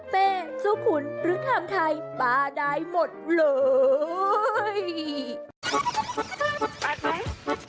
เป้ซุขุนฤทธิ์ธรรมไทยปลาได้หมดเลย